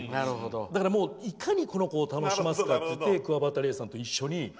だから、いかにこの子を楽しませるかってくわばたりえさんと一緒に。